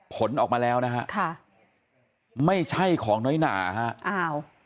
ผลออกมาแล้วนะฮะค่ะไม่ใช่ของน้อยหนาฮะอ้าว